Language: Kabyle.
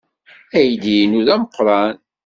Aydi-inu d ameqran.